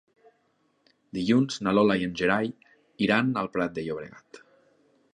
Dilluns na Lola i en Gerai iran al Prat de Llobregat.